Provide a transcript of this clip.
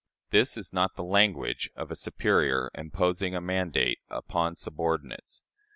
This is not the "language" of a superior imposing a mandate upon subordinates.